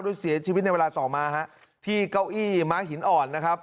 เสียชีวิตในเวลาต่อมาฮะที่เก้าอี้ม้าหินอ่อนนะครับ